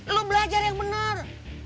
lo belajar yang benar